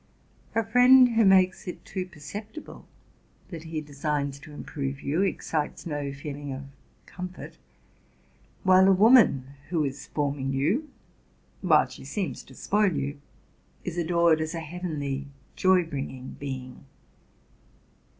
A friend who makes it too perceptible that he designs to improve you, excites uo feeling of comfort; while a woman who is forming you, RELATING TO MY LIFE. 185 while she seems to spoil you, is adored as a heavenly, joy bringing being.